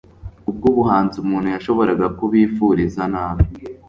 Kubwubuhanzi umuntu yashoboraga kubifuriza nabi